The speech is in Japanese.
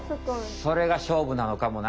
それが勝負なのかもな。